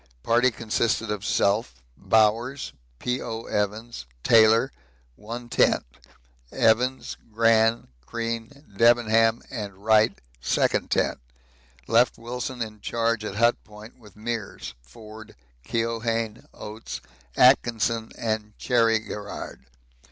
Party consisted of self, Bowers, P.O. Evans, Taylor, one tent; Evans, Gran, Crean, Debenham, and Wright, second tent. Left Wilson in charge at Hut Point with Meares, Forde, Keohane, Oates, Atkinson, and Cherry Garrard.